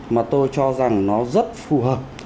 mà tôi cho rằng nó rất phù hợp